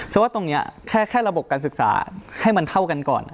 ว่าตรงนี้แค่ระบบการศึกษาให้มันเท่ากันก่อน